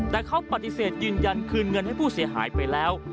แต่เขาปฏิเสธยืนยันคืนเงินให้ผู้เสียหายไปแล้ว